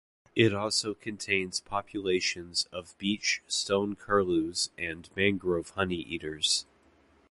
It also contains populations of beach stone-curlews and mangrove honeyeaters.